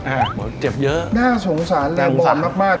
อ่าเจ็บเยอะน่าสงสารและบอลมาก